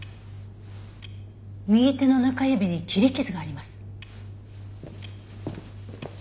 右手の中指に切り傷があります。